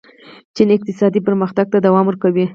چین اقتصادي پرمختګ ته دوام ورکوي.